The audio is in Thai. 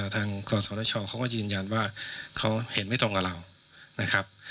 กศชเขาก็ยืนยันว่าเขาเห็นไม่ตรงกับเรานะครับ